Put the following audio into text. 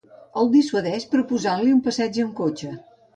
El dissuadeix proposant-li un passeig amb cotxe.